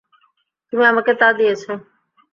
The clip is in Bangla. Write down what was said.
তুমি আমাকে তা দিয়েছ।